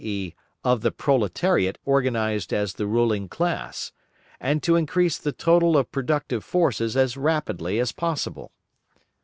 e_., of the proletariat organised as the ruling class; and to increase the total of productive forces as rapidly as possible.